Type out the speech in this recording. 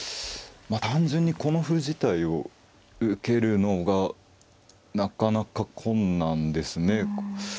まあ単純にこの歩自体を受けるのがなかなか困難ですね。